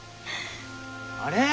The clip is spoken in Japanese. あれ？